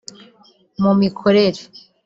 mu mikorere